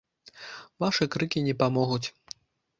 Вашы крыкі не памогуць.